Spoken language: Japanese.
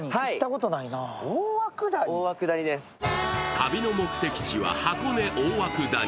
旅の目的地は箱根・大涌谷。